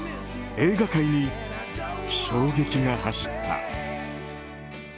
映画界に衝撃が走った。